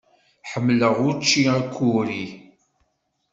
Ḥemmleɣ učči akuri.